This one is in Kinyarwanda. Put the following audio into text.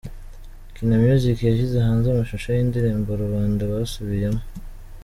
Kina Music yashyize hanze amashusho y’indirimbo Rubanda basubiyemo.